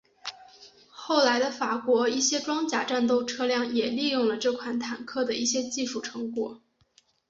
后来的法国一些装甲战斗车辆也利用了这款坦克的一些技术成果。